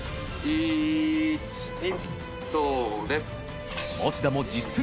１２。